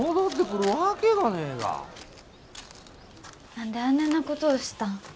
何であねえなことをしたん？